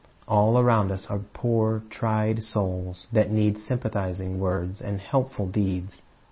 '"^ All around us are poor, tried souls that need sympathizing words and helpful deeds.